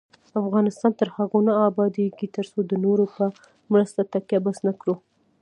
افغانستان تر هغو نه ابادیږي، ترڅو د نورو په مرستو تکیه بس نکړو.